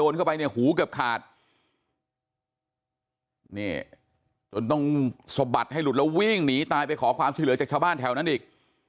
นี่จนต้องสบบัดให้หลุดแล้ววิ่งหนีตายไปขอความชีวิตเหลือจากชาวบ้านแถวนั้นอีก